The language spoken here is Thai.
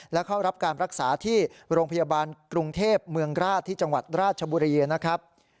และเข้ารับการรักษาที่โรงพยาบาลกรุงเทพเมืองราชที่จังหวัดราชบุรีนะครับ